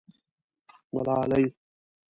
_ملالۍ.